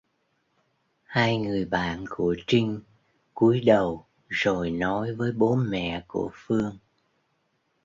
Hai người bạn của Trinh cúi đầu rồi nói với Bố Mẹ của Phương